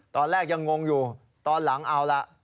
ตอนแรกยังงงอยู่ตอนหลังเอาล่ะ